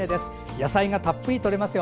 野菜がたっぷりとれますよ。